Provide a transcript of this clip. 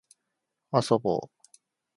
遊ぼう